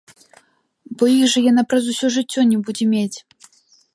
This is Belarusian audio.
Бо іх жа яна праз усё жыццё не будзе мець.